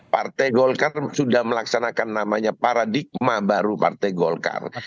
partai golkar sudah melaksanakan namanya paradigma baru partai golkar